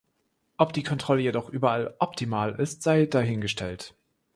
Ob die Kontrolle jedoch überall optimal ist, sei dahingestellt.